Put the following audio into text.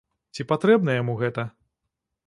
Ці патрэбна яму гэта?